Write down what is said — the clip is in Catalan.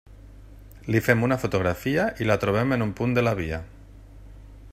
Li fem una fotografia i la trobem en un punt de la via.